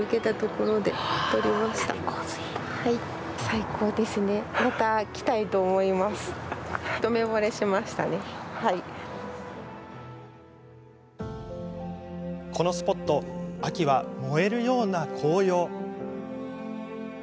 このスポット秋は燃えるような紅葉。